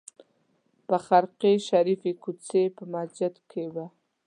په خرقې شریفې کوڅې په مسجد کې وه.